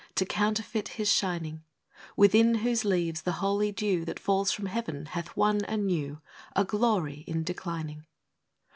To counterfeit his shining — Within whose leaves the holy dew That falls from heaven, hath won anew A glory — in declining.